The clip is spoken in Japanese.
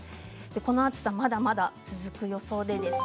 この暑さまだまだ続く予想です。